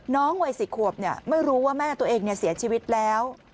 วัย๔ขวบไม่รู้ว่าแม่ตัวเองเสียชีวิตแล้ว